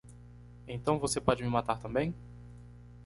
Então você pode me matar também?